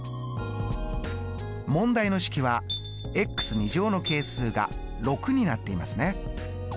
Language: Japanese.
問題の式はの係数が６になっていますね。